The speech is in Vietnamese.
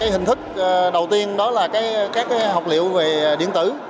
hình thức đầu tiên đó là các học liệu về điện tử